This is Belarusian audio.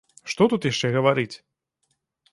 Што тут яшчэ гаварыць?